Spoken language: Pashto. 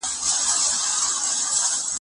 خو زموږ بېساری دروېش